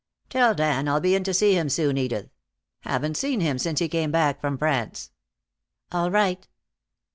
"Tell Dan I'll be in to see him soon, Edith. Haven't seen him since he came back from France." "All right."